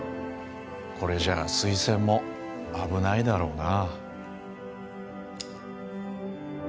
これじゃ推薦も危ないだろうな